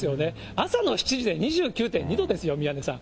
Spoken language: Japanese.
朝の７時で２９．２度ですよ、宮根さん。